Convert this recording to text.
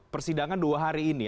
persidangan dua hari ini